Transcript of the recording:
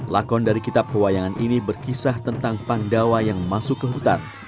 lakon dari kitab pewayangan ini berkisah tentang pandawa yang masuk ke hutan